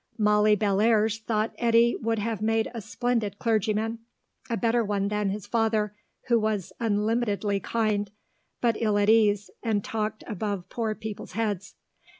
Molly Bellairs thought Eddy would have made a splendid clergyman, a better one than his father, who was unlimitedly kind, but ill at ease, and talked above poor people's heads.